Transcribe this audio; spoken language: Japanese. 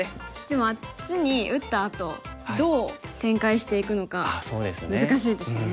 でもあっちに打ったあとどう展開していくのか難しいですよね。